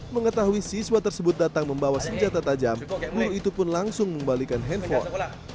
mengetahui siswa tersebut datang membawa senjata tajam guru itu pun langsung membalikan handphone